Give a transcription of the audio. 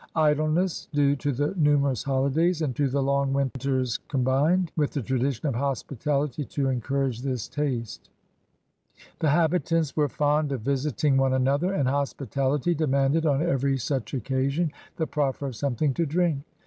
Idleness due to the numerous holidays and to the long winters com bined with the tradition of hospitality to encour age this taste. The habitants were fond of visiting one another, and hospitality demanded on every such occasion the proffer of something to drink.